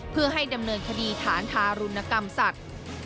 เพื่อให้ดำเนินคดีฐานทารุณกรรมสัตว์